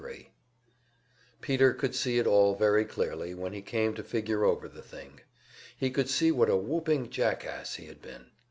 Section 73 Peter could see it all very clearly when he came to figure over the thing; he could see what a whooping jackass he had been.